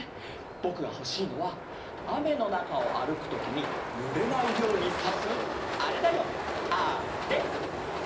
ぼくがほしいのはあめのなかをあるくときにぬれないようにさすあれだよあれ！